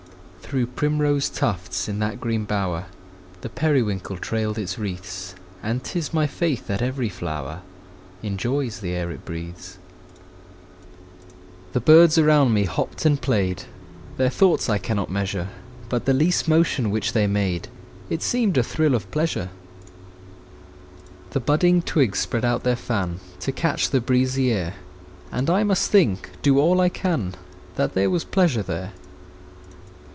Through primrose tufts, in that green bower, The periwinkle trailed its wreaths; And 'tis my faith that every flower Enjoys the air it breathes. The birds around me hopped and played, Their thoughts I cannot measure: But the least motion which they made It seemed a thrill of pleasure. The budding twigs spread out their fan, To catch the breezy air; And I must think, do all I can, That there was pleasure there.